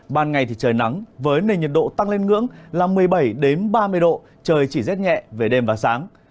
ban ngày thì trời nắng với nền nhiệt độ tăng lên ngưỡng là một mươi bảy ba mươi độ trời chỉ rét nhẹ về đêm và sáng